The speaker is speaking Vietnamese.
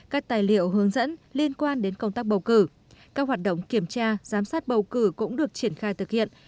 các tài liệu hướng dẫn liên quan đến công tác bầu cử các hoạt động kiểm tra giám sát bầu cử cũng được triển khai thực hiện